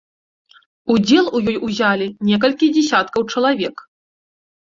Удзел у ёй узялі некалькі дзясяткаў чалавек.